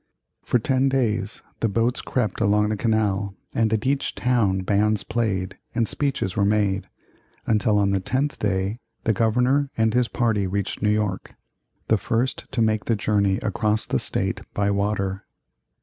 For ten days the boats crept along the canal, and at each town bands played, and speeches were made, until on the tenth day the Governor and his party reached New York the first to make the journey across the State by water.